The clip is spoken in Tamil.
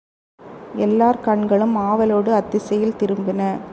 எல்லார் கண்களும் ஆவலோடு அத்திசையில் திரும்பின.